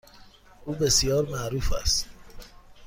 او بسیار معروف است.